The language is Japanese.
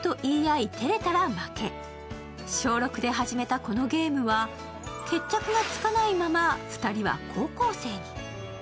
小６で始めたこのゲームは決着がつかないまま、２人は高校生に。